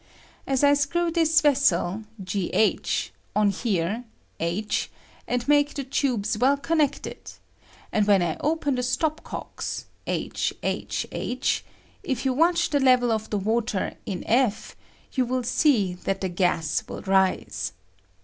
As I screw this vessel (g h) on here (h), and make the tubes well connected, and when I open the Btop cocks (h h h), if you watch the level of the water (in p), you will see that the gas will r I I ^ I 104 SYNTHESIS OF WATER. riae.